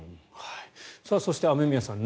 そして雨宮さん